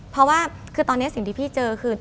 เพราะว่าคือตอนนี้สิ่งที่พี่เจอคือ